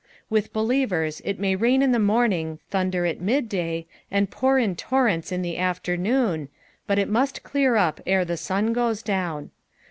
With believers it may rain in the looming, thunder at midday, and pour in torrents in the afternoon, but it must clear up ere the sun goes down.